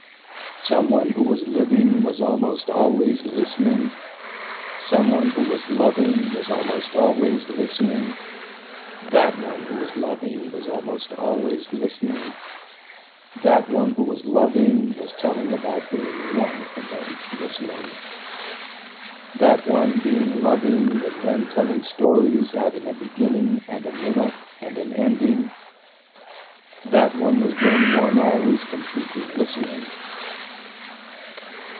Some one who was living was almost always listening. Some one who was loving was almost always listening. That one who was loving was almost always listening. That one who was loving was telling about being one then listening. That one being loving was then telling stories having a beginning and a middle and an ending. That one was then one always completely listening.